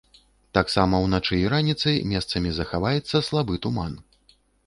Таксама ўначы і раніцай месцамі захаваецца слабы туман.